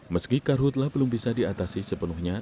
meski karhutlah belum bisa diatasi sepenuhnya